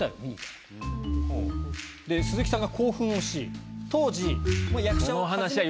鈴木さんが興奮をし当時役者を。